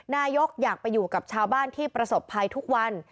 นายกอยากไปอยู่กับชาวบ้านที่ประสบภัยทุกวัน